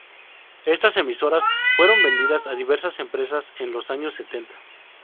Estas emisoras fueron vendidas a diversas empresas en los años setenta.